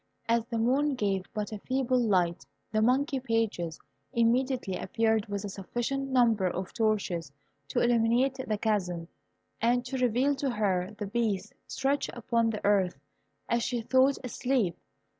As the moon gave but a feeble light, the monkey pages immediately appeared with a sufficient number of torches to illuminate the chasm, and to reveal to her the Beast stretched upon the earth, as she thought, asleep.